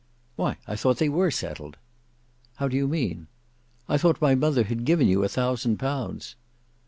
"Why, I thought they were settled." "How do you mean?" "I thought my mother had given you a thousand pounds."